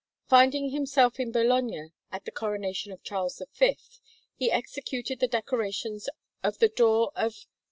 Finding himself in Bologna at the coronation of Charles V, he executed the decorations of the door of S.